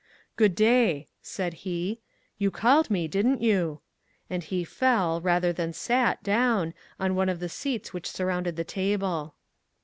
"Good day," said he. "You called me, didn't you?" And he fell, rather than sat down, on one of the seats which surrounded the table.